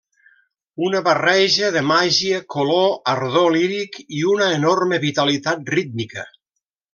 Una barreja de màgia, color, ardor líric i una enorme vitalitat rítmica.